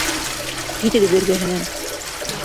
Китегеҙ эргәһенән!